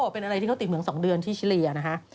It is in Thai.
เป็นอะไรที่เขาติดเมือง๒เดือนที่ชิลียนะคะ